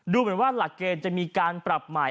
ดูเหมือนว่าหลักเกณฑ์จะมีการปรับใหม่